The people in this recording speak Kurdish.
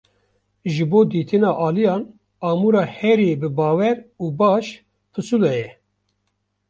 Ji bo dîtina aliyan, amûra herî bibawer û baş, pisûle ye.